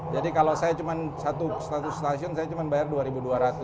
jadi kalau saya cuma satu status stasiun saya cuma bayar rp dua dua ratus